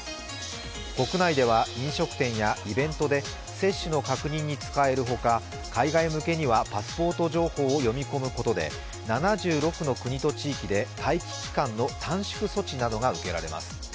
国内では飲食店やイベントで接種の確認に使えるほか、海外向けにはパスポート情報を読み込むことで７６の国と地域で待機期間の短縮措置などが受けられます。